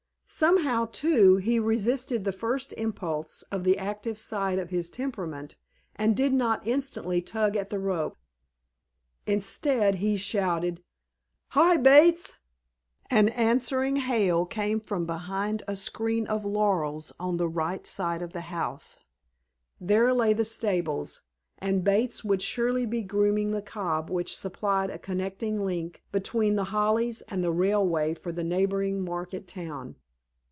Somehow, too, he resisted the first impulse of the active side of his temperament, and did not instantly tug at the rope. Instead, he shouted:— "Hi, Bates!" An answering hail came from behind a screen of laurels on the right of the house. There lay the stables, and Bates would surely be grooming the cob which supplied a connecting link between The Hollies and the railway for the neighboring market town.